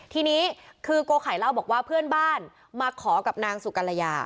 ทีนี้คือโกไข่เล่าบอกว่าเพื่อนบ้านมาขอกับนางสุกรยา